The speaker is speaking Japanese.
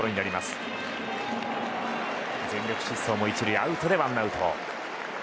全力疾走も１塁アウトでワンアウト。